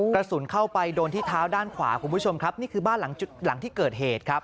กระสุนเข้าไปโดนที่เท้าด้านขวาคุณผู้ชมครับนี่คือบ้านหลังที่เกิดเหตุครับ